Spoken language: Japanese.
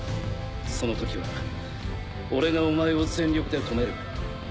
そのときは俺がお前を全力で止める。